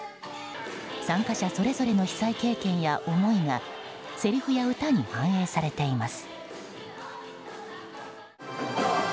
参加者それぞれの被災経験や思いがせりふや歌に反映されています。